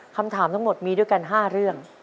คำถามทั้งหมดมีด้วยกัน๕เรื่อง